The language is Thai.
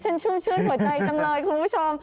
ชุ่มชื่นหัวใจจังเลยคุณผู้ชม